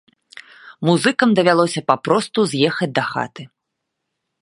Музыкам давялося папросту з'ехаць дахаты.